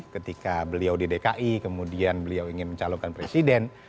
ketika beliau di dki kemudian beliau ingin mencalonkan presiden